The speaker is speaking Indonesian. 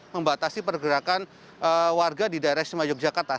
membatasi pergerakan warga di daerah sima yogyakarta